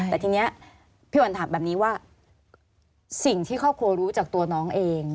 แต่ทีนี้พี่วันถามแบบนี้ว่าสิ่งที่ครอบครัวรู้จากตัวน้องเอง